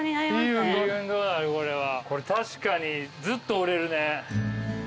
これ確かにずっとおれるね。